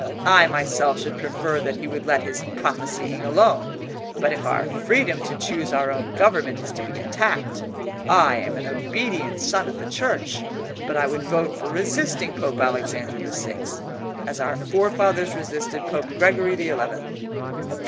"I myself should prefer that he would let his prophesying alone, but if our freedom to choose our own government is to be attacked—I am an obedient son of the Church, but I would vote for resisting Pope Alexander the Sixth, as our forefathers resisted Pope Gregory the Eleventh."